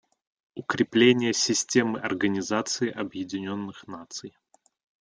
Укрепление системы Организации Объединенных Наций.